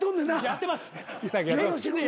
やってます。